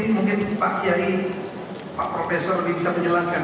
mungkin pak yai pak profesor lebih bisa menjelaskan